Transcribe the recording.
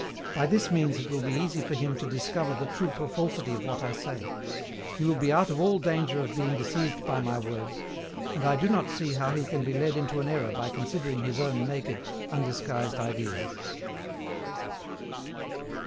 By this means it will be easy for him to discover the truth or falsity of what I say. He will be out of all danger of being deceived by my words, and I do not see how he can be led into an error by considering his own naked, undisguised ideas.